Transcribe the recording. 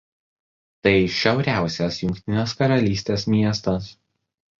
Tai šiauriausias Jungtinės Karalystės miestas.